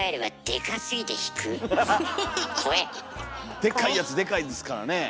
でかいやつでかいですからねえ。